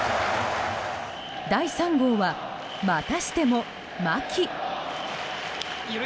第３号は、またしても牧。